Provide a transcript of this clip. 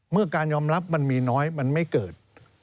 เมื่อการยอมรับมันมีน้อยมันไม่เกิด